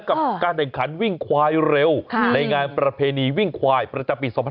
กับการแข่งขันวิ่งควายเร็วในงานประเพณีวิ่งควายประจำปี๒๕๖